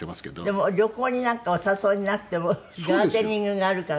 でも旅行になんかお誘いになってもガーデニングがあるから駄目。